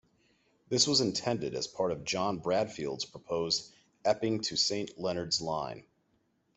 This was intended as part of John Bradfield's proposed Epping to Saint Leonards line.